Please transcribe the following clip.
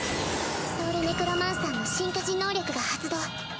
ソウルネクロマンサーの進化時能力が発動。